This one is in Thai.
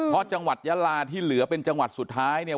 เพราะจังหวัดยาลาที่เหลือเป็นจังหวัดสุดท้ายเนี่ย